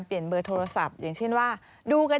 เบอร์โทรศัพท์อย่างเช่นว่าดูกัน